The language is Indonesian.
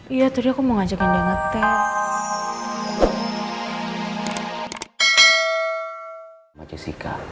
iya tadi aku mau ngajakin dia ngetes